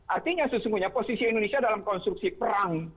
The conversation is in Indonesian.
artinya sesungguhnya posisi indonesia dalam konstruksi perang